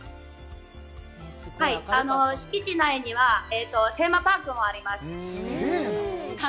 敷地内にはテーマパークもあります。